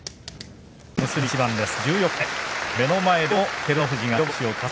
結びの一番です。